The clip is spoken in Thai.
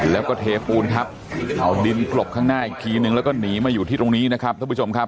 แล้วก็เทปูนทับเอาดินกลบข้างหน้าอีกทีนึงแล้วก็หนีมาอยู่ที่ตรงนี้นะครับท่านผู้ชมครับ